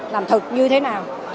làm thật như thế nào